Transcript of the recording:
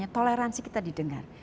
toleransi kita didengar